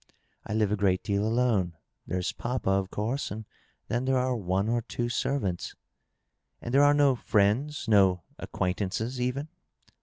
^^ I live a great deal alone. There's papa, of course, and then there are one or two servants/' " And there are no friends, no acquaintances, even?''